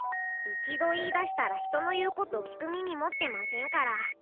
一度言いだしたら人の言うこと聞く耳持ってませんから。